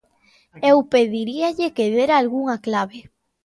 Eu pediríalle que dera algunha clave.